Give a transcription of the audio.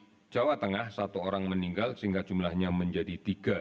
oleh karena itu kita harus mencari penambahan kasus yang meninggal sehingga jumlahnya menjadi tiga